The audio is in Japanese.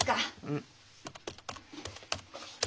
うん。